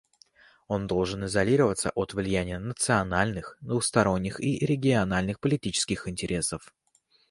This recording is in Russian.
Он должен изолироваться от влияния национальных, двусторонних и региональных политических интересов.